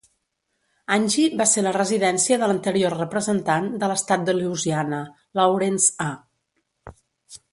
Angie va ser la residència de l"anterior representant de l"estat de Louisiana, Lawrence A.